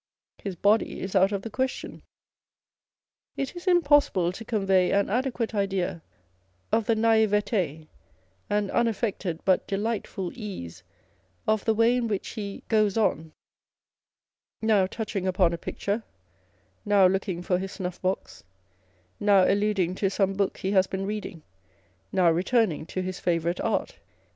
His body is out of the question. It is impossible to convey an adequate idea of the naivete, and unaffected but delightful easo of tho way in which he goes on â€" now touching upon a picture â€" now looking for his snuffbox now alluding to some book he has been reading â€" now returning to his favourite art.